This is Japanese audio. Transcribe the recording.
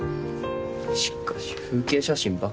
しかし風景写真ばっか。